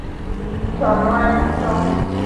chonuadnu cho